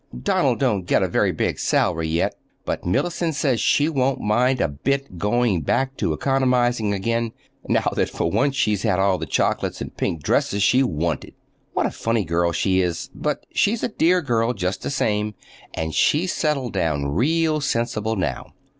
Donald don't get a very big salary yet, but Mellicent says she won't mind a bit going back to economizing again, now that for once she's had all the chocolates and pink dresses she wanted. What a funny girl she is—but she's a dear girl, just the same, and she's settled down real sensible now.